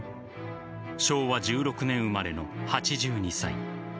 昭和１６年生まれの８２歳。